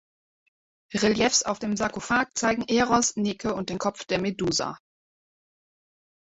Reliefs auf dem Sarkophag zeigen Eros, Nike und den Kopf der Medusa.